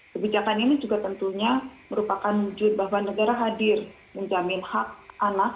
kebijakan ini juga tentunya merupakan wujud bahwa negara hadir menjamin hak anak